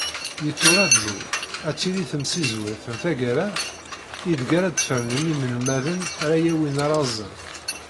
Yetturaǧu, ad tili temsizwet n taggara, ideg ara d-fernen inelmaden ara yawin arazzen.